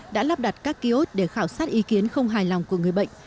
đã lắp đặt các ký ốt để khảo sát ý kiến không hài lòng của người bệnh